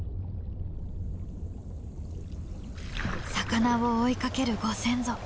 魚を追いかけるご先祖。